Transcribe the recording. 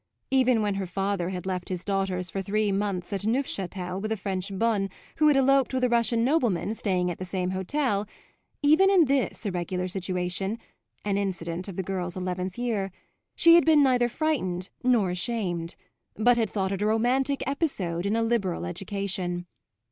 Even when her father had left his daughters for three months at Neufchatel with a French bonne who had eloped with a Russian nobleman staying at the same hotel even in this irregular situation (an incident of the girl's eleventh year) she had been neither frightened nor ashamed, but had thought it a romantic episode in a liberal education.